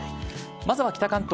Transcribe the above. まずは北関東。